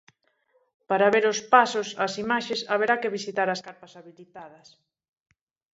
Para ver os pasos, as imaxes, haberá que visitar as carpas habilitadas.